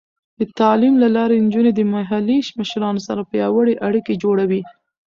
د تعلیم له لارې، نجونې د محلي مشرانو سره پیاوړې اړیکې جوړوي.